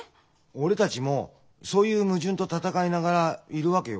俺たちもそういう矛盾と闘いながらいるわけよ